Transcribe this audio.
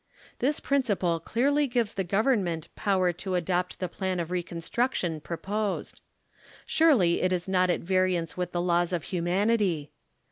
This principle clearly gives the Government power to adopt the plan of reconstruction proposed. Surely it is not at vari ance with the laws of humanity.